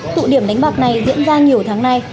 tụ điểm đánh bạc này diễn ra nhiều tháng nay